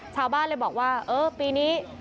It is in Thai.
ชาวบ้านเลยบอกว่าเออปีนี้